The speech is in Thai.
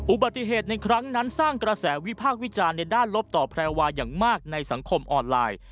อุบัติเหตุในครั้งนั้นสร้างกระแสวิพากษ์วิจารณ์ในด้านลบต่อแพรวาอย่างมากในสังคมออนไลน์